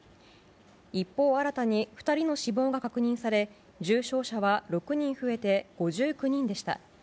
一方、新たに２人の死亡が確認され重症者は６人増えて５９人でした。